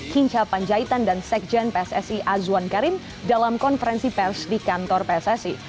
hinca panjaitan dan sekjen pssi azwan karim dalam konferensi pers di kantor pssi